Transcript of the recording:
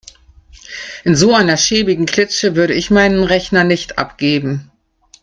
In so einer schäbigen Klitsche würde ich meinen Rechner nicht abgeben.